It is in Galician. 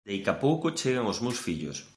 deica pouco chegan os meus fillos